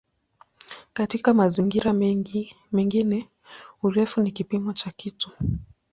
Katika mazingira mengine "urefu" ni kipimo cha kitu.